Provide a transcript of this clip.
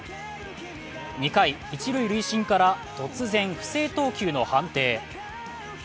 ２回、一塁塁審から突然不正投球の判定。